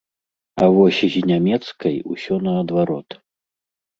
А вось з нямецкай усё наадварот.